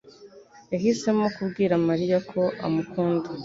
yahisemo kubwira Mariya ko amukunda.